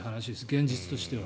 現実としては。